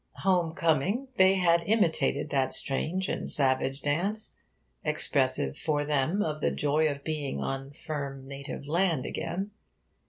Home coming, they had imitated that strange and savage dance, expressive, for them, of the joy of being on firm native land again.